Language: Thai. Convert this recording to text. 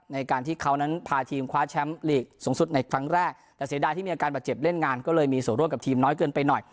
ในการที่เขานั้นพาทีมคว้าแชมป์ลีกสูงสุดในครั้งแรกแต่เสียดายที่มีอาการบาดเจ็บเล่นงานก็เลยมีส่วนร่วมกับทีมน้อยเกินไปหน่อย